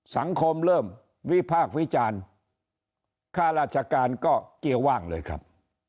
สังคมเริ่มวิพากษ์วิจารณ์ค่าราชการก็เกียร์ว่างเลยครับ